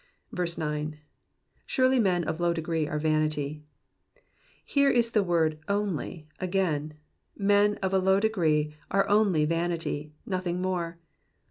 9. ''^Surely men of low degree are vanity.'*^ Here the word is <wi/y again ; men of low degree are only vanity, nothing more.